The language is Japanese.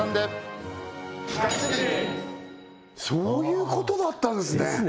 そういうことだったんすね！